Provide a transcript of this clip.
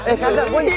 eh kagak gua ngirup